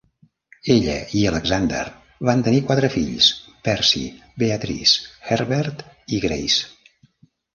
Ella i Alexander van tenir quatre fills: Percy, Beatrice, Herbert i Grace.